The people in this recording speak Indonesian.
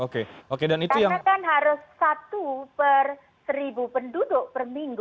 karena kan harus satu per seribu penduduk per minggu